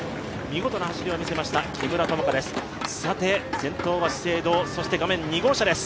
見事な走りを見せました木村友香です。